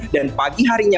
dan pagi harinya